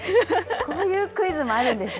こういうクイズもあるんですね。